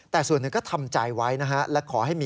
แต่ส่วนหนึ่งก็ทำใจไว้นะครับ